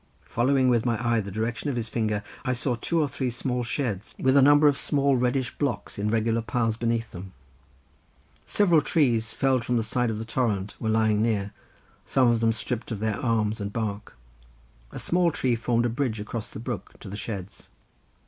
Following with my eye the direction of his finger, I saw two or three small sheds with a number of small reddish blocks, in regular piles beneath them. Several trees felled from the side of the torrent were lying near, some of them stripped of their arms and bark. A small tree formed a bridge across the brook to the sheds.